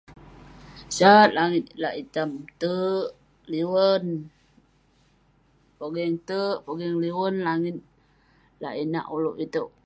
Sat langit lak itam, terk, liwen, pogeng terk, pogeng liwen langit lak inak ulouk itouk.